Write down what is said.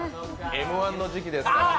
「Ｍ−１」の時期ですからね。